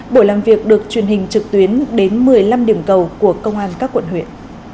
buổi làm việc được truyền hình trực tuyến đến một mươi năm điểm cầu của công an các quận huyện